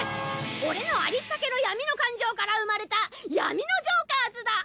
俺のありったけの闇の感情から生まれた闇のジョーカーズだ。